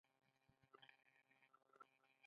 د څو اونیو لپاره د کیمپ ټول ځایونه ډک وي